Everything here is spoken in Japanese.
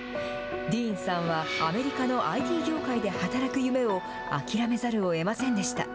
ディーンさんはアメリカのＩＴ業界で働く夢を、諦めざるをえませんでした。